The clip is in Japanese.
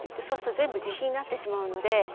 そうすると全部自費になってしまうので。